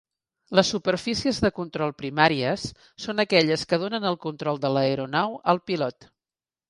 Les superfícies de control primàries són aquelles que donen el control de l'aeronau al pilot.